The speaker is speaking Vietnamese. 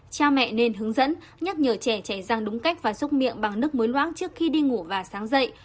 cha mẹ nên hướng dẫn nhắc nhở trẻ chảy rang đúng cách và xúc miệng bằng nước muối loãng trước khi đi ngủ và sáng dậy